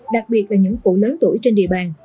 đặc biệt là những cụ lớn tuổi trên địa bàn